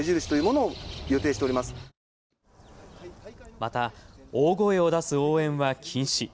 また大声を出す応援は禁止。